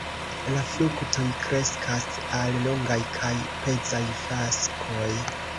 La fruktoj kreskas al longaj kaj pezaj faskoj.